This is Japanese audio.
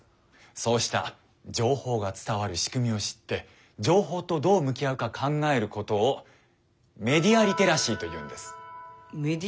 そうした情報が伝わるしくみを知って情報とどう向き合うか考えることをメディア・リテラシー？